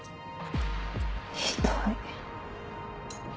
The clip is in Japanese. ひどい。